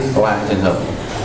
có ai trên hợp